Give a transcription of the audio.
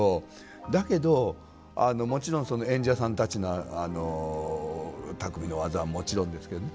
だけどもちろんその演者さんたちのたくみの技はもちろんですけどね